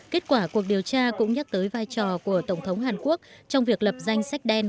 kết quả cuộc điều tra cũng nhắc tới vai trò của tổng thống hàn quốc trong việc lập danh sách đen